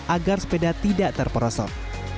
agar sepeda tidak terperosot